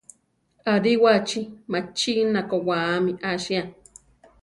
Aríwachi machína koʼwáami asia.